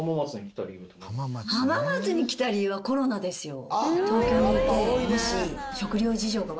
浜松に来た理由はコロナですよ。